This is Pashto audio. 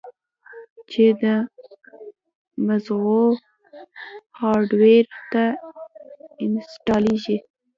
چې د مزغو هارډوئېر ته انسټاليږي